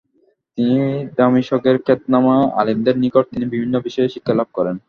তিনি দামিশকের খ্যাতনামা আলিমদের নিকট তিনি বিভিন্ন বিষয়ে শিক্ষালাভ করেন।